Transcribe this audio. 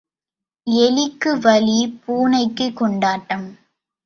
எலிக்கு வலி, பூனைக்குக் கொண்டாட்டம்.